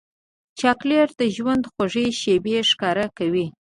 چاکلېټ د ژوند خوږې شېبې ښکاره کوي.